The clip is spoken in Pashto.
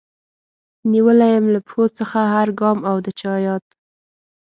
نيولی يم له پښو څخه هر ګام او د چا ياد